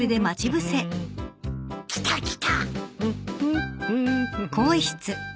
来た来た。